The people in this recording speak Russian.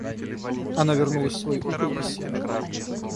Она вернулась в свой угол и села.